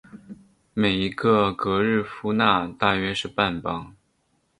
每一个格日夫纳大约是半磅。